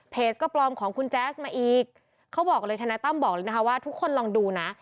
ก็ปลอมของคุณแจ๊สมาอีกเขาบอกเลยทนายตั้มบอกเลยนะคะว่าทุกคนลองดูนะ